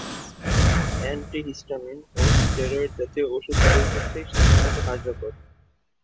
Antihistamine ও steroid জাতীয় ঔষধ উভয়ক্ষেত্রেই সাধারণত কার্যকর।